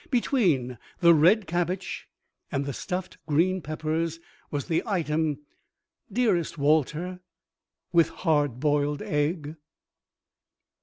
Between the red cabbage and the stuffed green peppers was the item: "DEAREST WALTER, WITH HARD BOILED EGG."